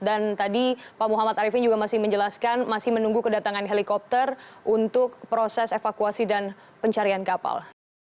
dan tadi pak muhammad arifin juga masih menjelaskan masih menunggu kedatangan helikopter untuk proses evakuasi dan pencarian kapal